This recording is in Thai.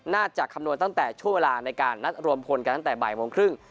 จะคำนวณตั้งแต่ช่วงเวลาในการนัดรวมพลกันตั้งแต่บ่ายโมงครึ่ง